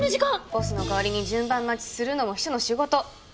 ボスの代わりに順番待ちするのも秘書の仕事。